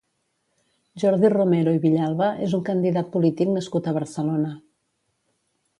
Jordi Romero i Villalba és un candidat polític nascut a Barcelona.